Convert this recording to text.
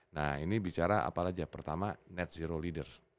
nah ini bicara apalagi pertama net zero leader